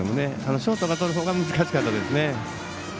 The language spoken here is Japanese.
ショートがとるほうが難しかったですね。